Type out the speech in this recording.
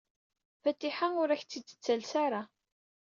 Fatiḥa ur ak-t-id-tettales ara.